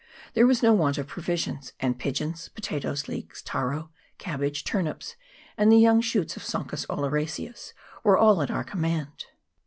There was no want of provisions ; and pigeons, pota toes, leeks, taro, cabbage, turnips, and the young shoots of Sonchus oleraceus were all at our command.